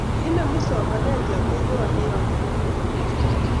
Inemu somanet yateiywot ne yatei kurkotik